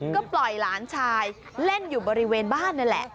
ก็ปล่อยหลานชายเล่นอยู่บริเวณบ้านนั่นแหละ